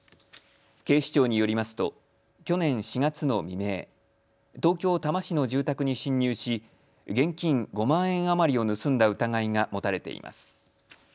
警視庁によりますと去年４月の未明、東京多摩市の住宅に侵入し現金５万円余りを盗んだ疑いが持たれています。